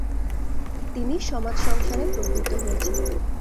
তিনি সমাজ সংস্কারে প্রবৃত্ত হয়েছিলেন।